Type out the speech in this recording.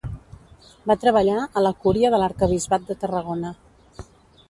Va treballar a la cúria de l'Arquebisbat de Tarragona.